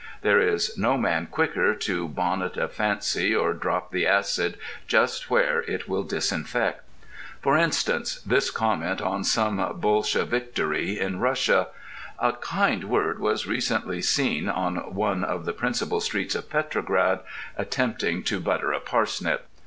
There is no man quicker to bonnet a fallacy or drop the acid just where it will disinfect. For instance, this comment on some bolshevictory in Russia: A kind word was recently seen, on one of the principal streets of Petrograd, attempting to butter a parsnip.